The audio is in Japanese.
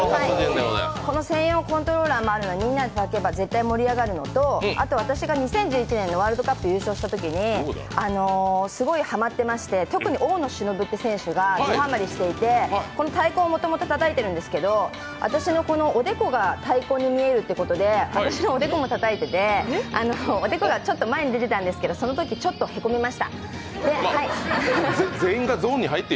この専用コントローラーもあるので、みんなでたたけば、絶対盛り上がるのとあと私が２０１１年のワールドカップ優勝したときにすごい、はまってまして特に大野忍って選手がどはまりしていてこの太鼓をもともとたたいてるんですけど私のおでこが太鼓に見えるっていうことで、おでこがちょっと前に出てたんですけど、そのときちょっとへこみました。